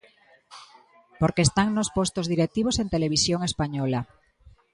Porque están nos postos directivos en Televisión Española.